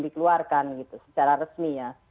dikeluarkan gitu secara resmi ya